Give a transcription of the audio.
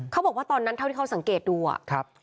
เขาบอกว่าตอนนั้นเท่าที่เขาสังเกตดูอ่ะ